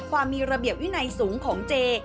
ความมีระเบียบวินัยสูงของเจ